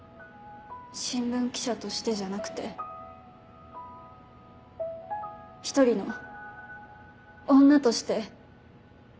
新聞記者としてじゃなくて１人の女として。